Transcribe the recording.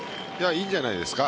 いいんじゃないですか。